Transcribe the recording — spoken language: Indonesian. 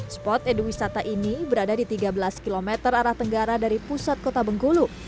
spot edu wisata ini berada di tiga belas km arah tenggara dari pusat kota bengkulu